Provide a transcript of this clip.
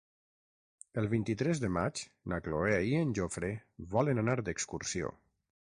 El vint-i-tres de maig na Cloè i en Jofre volen anar d'excursió.